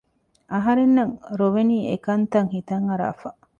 އަހަރެންނަށް ރޮވެނީ އެކަންތައް ހިތަށް އަރާފަ